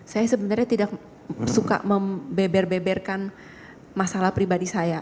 saya sebenarnya tidak suka membeber beberkan masalah pribadi saya